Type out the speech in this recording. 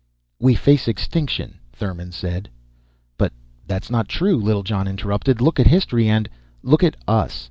"We face extinction," Thurmon said. "But that's not true," Littlejohn interrupted. "Look at history and " "Look at us."